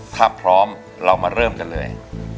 ถ้าพร้อมเรามาเริ่มกันเลย